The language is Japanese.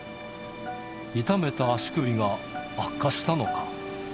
痛めた足首が悪化したのか。